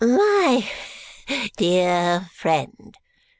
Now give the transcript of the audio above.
"My dear friend!"